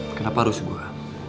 kenapa harus gue